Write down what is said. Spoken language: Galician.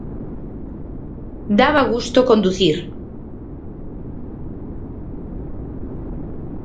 Daba gusto conducir.